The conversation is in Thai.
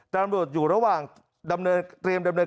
ตามรวดอยู่ตรวจระหว่างเตรียมดำเนิน